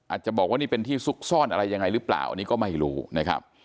อาจจะบอกว่านี่เป็นที่ซุกซ่อนอะไรยังไงหรือเปล่าอันนี้ก็ไม่รู้นะครับ